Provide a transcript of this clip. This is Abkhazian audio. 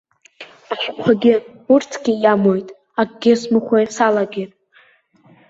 Ашәҟәқәагьы, урҭгьы иамуит, акгьы смыхәо салагеит.